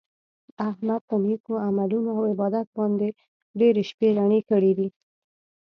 احمد په نېکو عملونو او عبادت باندې ډېرې شپې رڼې کړي دي.